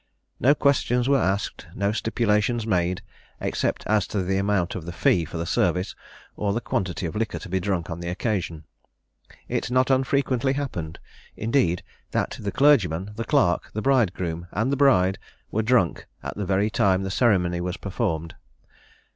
No questions were asked, no stipulations made, except as to the amount of the fee for the service, or the quantity of liquor to be drunk on the occasion. It not unfrequently happened, indeed, that the clergyman, the clerk, the bride groom and the bride, were drunk at the very time the ceremony was performed.